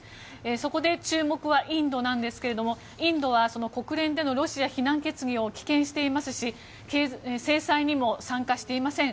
そこで注目はインドなんですけれどもインドは国連でのロシア非難決議を棄権していますし制裁にも参加していません。